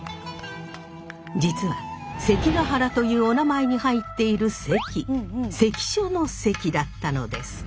実は関ケ原というおなまえに入っている「関」関所の関だったのです。